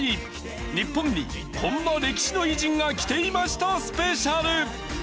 日本にこんな歴史の偉人が来ていましたスペシャル！